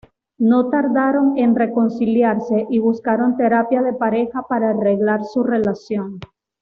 No tardaron en reconciliarse y buscaron terapia de pareja para arreglar su relación.